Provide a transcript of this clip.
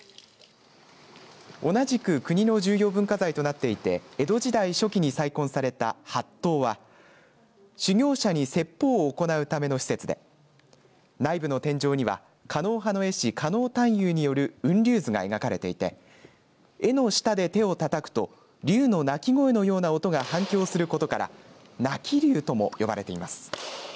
同じく国の重要文化財となっていて江戸時代初期に再建された法堂は修行者に説法を行うための施設で内部の天井には狩野派の絵師、狩野探幽による雲龍図が描かれていて絵の下で手をたたくと龍の鳴き声のような音が反響することから鳴き龍とも呼ばれています。